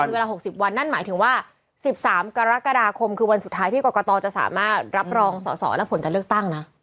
เวลา๖๐วันนั่นหมายถึงว่า๑๓กรกฎาคมคือวันสุดท้ายที่กรกตจะสามารถรับรองสอสอและผลการเลือกตั้งนะ